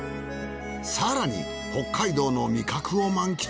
更に北海道の味覚を満喫。